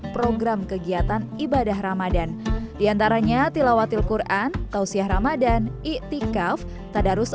dua puluh tiga program kegiatan ibadah ramadan diantaranya tilawatil quran tausiyah ramadan i'tikaf tadarus